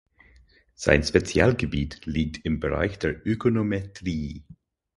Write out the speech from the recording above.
Sein Spezialgebiet liegt im Bereich der Ökonometrie.